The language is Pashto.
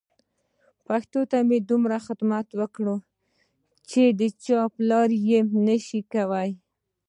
پښتو ته یې دومره خدمت کړی چې د چا پلار یې نه شي کولای.